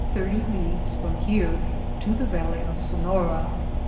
it is 130 leagues from here to the valley of Sefiora.